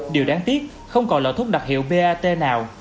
điều đáng tiếc không còn loại thuốc đặc hiệu pat nào